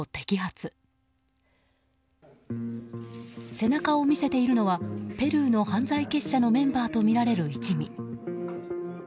背中を見せているのはペルーの犯罪結社のメンバーとみられる一味。